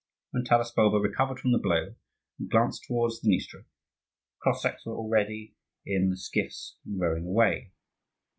When Taras Bulba recovered from the blow, and glanced towards the Dniester, the Cossacks were already in the skiffs and rowing away.